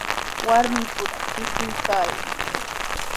Warmipura tushuykaayan.